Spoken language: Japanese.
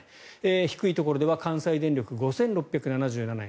低いところでは関西電力、５６７７円。